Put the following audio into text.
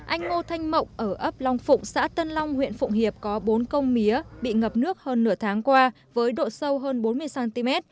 anh ngô thanh mộng ở ấp long phụng xã tân long huyện phụng hiệp có bốn công mía bị ngập nước hơn nửa tháng qua với độ sâu hơn bốn mươi cm